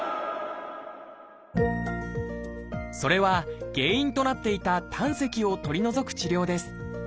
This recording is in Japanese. それは原因となっていた胆石を取り除く治療です。